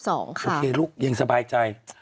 โอเคลูกยังสบายใจ